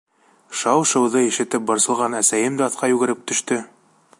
Шау-шыуҙы ишетеп борсолған әсәйем дә аҫҡа йүгереп төштө.